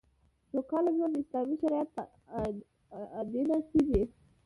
سوکاله ژوند د اسلامي شریعت په اډانه کې دی